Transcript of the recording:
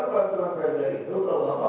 tapi semua sendirian mereka